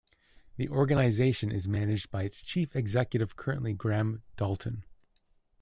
The organisation is managed by its chief executive, currently Graham Dalton.